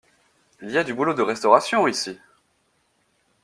Il y a du boulot de restauration ici!